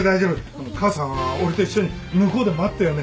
あの母さんは俺と一緒に向こうで待ってよう。